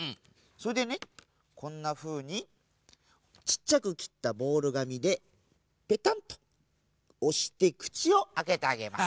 それでねこんなふうにちっちゃくきったボールがみでペタンとおしてくちをあけてあげます。